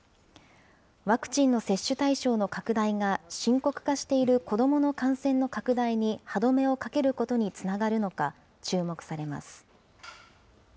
ワクチンの接種対象の拡大が深刻化している子どもの感染の拡大に歯止めをかけることにつながるのか、注目されます。